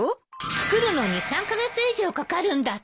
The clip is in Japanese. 作るのに３カ月以上かかるんだって。